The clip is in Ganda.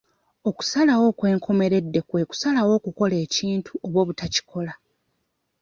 Okusalawo okw'enkomeredde kwe kusalawo okukola ekintu oba obutakikola.